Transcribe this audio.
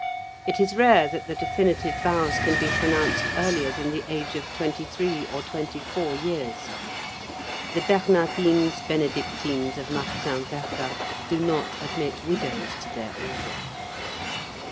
It is rare that the definitive vows can be pronounced earlier than the age of twenty three or twenty four years. The Bernardines Benedictines of Martin Verga do not admit widows to their order.